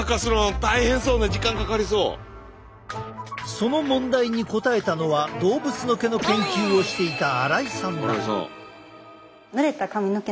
その問題に答えたのは動物の毛の研究をしていた荒井さんだ。